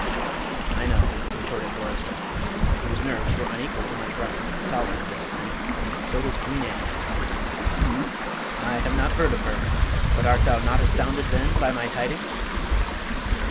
"I know," retorted Horace, whose nerves were unequal to much reference to Solomon just then. "So does Queen Anne." "I have not heard of her. But art thou not astounded, then, by my tidings?"